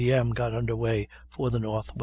M. got underway for the N.W.